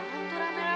terus berjalan ke sana